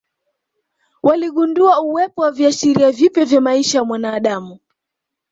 Waligundua uwepo wa viashiria vipya vya maisha ya mwanadamu